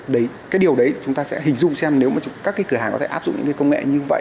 đấy cái điều đấy chúng ta sẽ hình dung xem nếu mà các cái cửa hàng có thể áp dụng những cái công nghệ như vậy